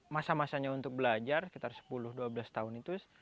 masa masanya untuk belajar sekitar sepuluh dua belas tahun itu